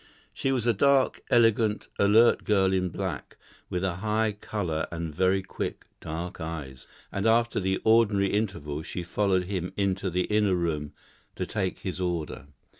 She was a dark, elegant, alert girl in black, with a high colour and very quick, dark eyes; and after the ordinary interval she followed him into the inner room to take his order.